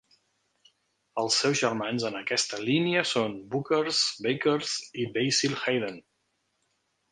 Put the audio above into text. Els seus germans en aquesta línia són Booker's, Baker's i Basil Hayden.